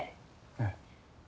ええ。